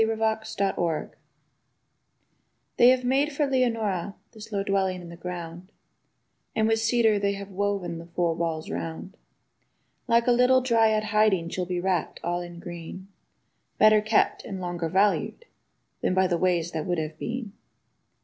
8751 LEONORA They have made for Leonora this low dwelling in the ground, And with cedar they have woven the four walls round. Like a little dryad hiding she'll be wrapped all in green, Better kept and longer valued than by ways that would have been.